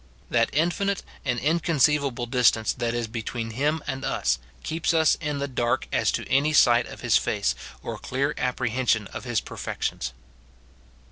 That infinite and inconceivable distance that is between him and us, keeps us in the dark as to any sight of his face or clear apprehension of his perfections.